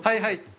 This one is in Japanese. はい。